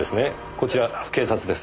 こちら警察です。